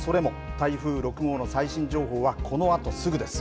台風６号の最新情報はこのあとすぐです。